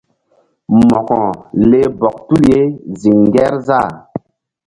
Mo̧ko leh bɔk tul ye ziŋ Ŋgerzah.